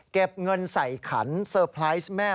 เก็บเงินใส่ขันสเตอร์ไพรน์แม่มาแล้ว